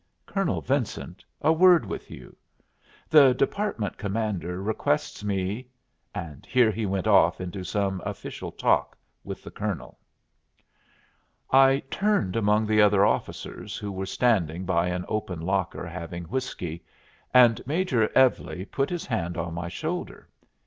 Colonel Vincent, a word with you. The Department Commander requests me " And here he went off into some official talk with the Colonel. I turned among the other officers, who were standing by an open locker having whiskey, and Major Evlie put his hand on my shoulder.